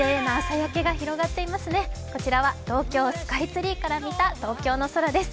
こちらは東京・スカイツリーから見た東京の空です。